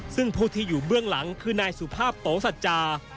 ซึ่งผู้ที่อยู่เบื้องหลังคือนายสุภาพโตสัจจา